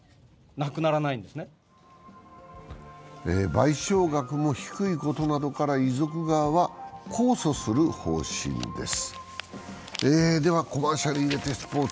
賠償額も低いことなどから遺族側は控訴する方針です。